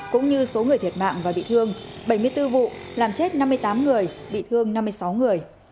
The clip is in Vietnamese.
cũng như số người thiệt mạng và bị thương bảy mươi bốn vụ làm chết năm mươi tám người bị thương năm mươi sáu người